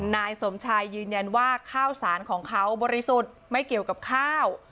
นายสมชายยืนยันว่าข้าวสารของเขาบริสุทธิ์ไม่เกี่ยวกับข้าว